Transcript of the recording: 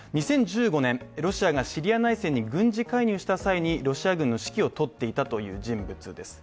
２０１５年、ロシアがシリア内戦に軍事介入した際にロシア軍の指揮を執っていたという人物です。